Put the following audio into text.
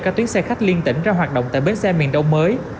các tuyến xe khách liên tỉnh ra hoạt động tại bến xe miền đông mới